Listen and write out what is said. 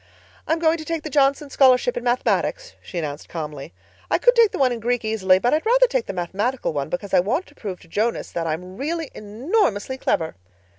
"I'm going to take the Johnson Scholarship in Mathematics," she announced calmly. "I could take the one in Greek easily, but I'd rather take the mathematical one because I want to prove to Jonas that I'm really enormously clever."